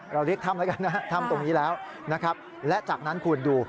เรียกถ้ำแล้วกันนะฮะถ้ำตรงนี้แล้วนะครับและจากนั้นคุณดู